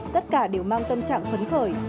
tất cả đều mang tâm trạng phấn khởi